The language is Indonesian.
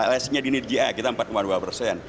lsnya di nidja kita empat dua persen